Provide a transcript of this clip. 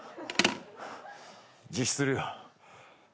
自首するよ。